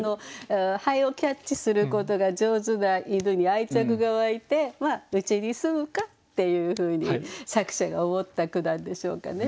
蠅をキャッチすることが上手な犬に愛着が湧いてうちに住むかっていうふうに作者が思った句なんでしょうかね。